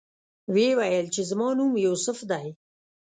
ویې ویل چې زما نوم یوسف دی.